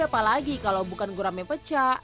apalagi kalau bukan guramnya pecah